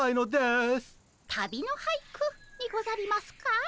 旅の俳句にござりますか？